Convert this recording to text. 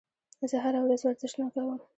زه هره ورځ ورزش نه کوم.